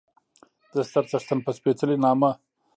د ستر څښتن په سپېڅلي نامه